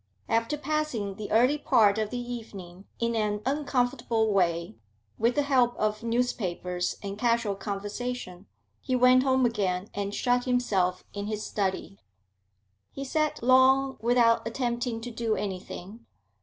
After passing the early part of the evening in an uncomfortable way, with the help of newspapers and casual conversation, he went home again and shut himself in his study. He sat long, without attempting to do anything.